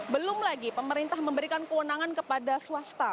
belum lagi pemerintah memberikan kewenangan kepada swasta